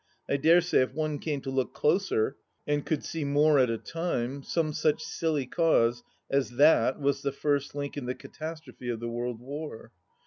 I dare say if one came to look closer and could see more at a time, some such silly cause as that was the first link in the catastrophe of the world war